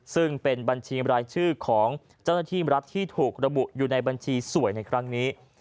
ซึ่งเป็นบัญชีรายชื่อของเจ้าหน้าที่รัฐที่ถูกระบุอยู่ในบัญชีสวยในครั้งนี้